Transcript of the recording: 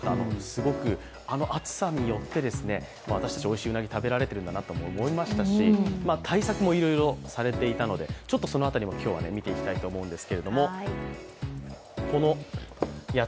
すごくあの暑さによって私たち、おいしいうなぎ食べられてるんだなと思いましたし対策もいろいろされていたのでその辺りも今日は見ていきたいと思います。